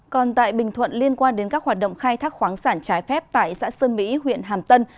còn tại bình thuận liên quan đến các hoạt động khai thác khoáng sản trái phép tại xã sơn mỹ huyện hàm tân